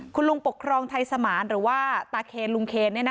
คุณลุงปกครองไทยสมานหรือว่าตาเคนลุงเคน